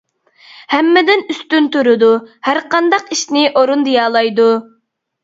ھەممىدىن ئۈستۈن تۇرىدۇ، ھەرقانداق ئىشنى ئورۇندىيالايدۇ.